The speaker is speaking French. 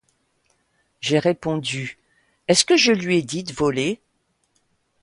J'ai répondu: Est-ce que je lui ai dit de voler!